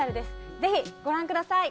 ぜひ御覧ください。